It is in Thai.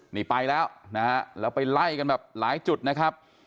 นี่ไปแล้วนะฮะแล้วไปไล่กันแบบหลายจุดนะครับ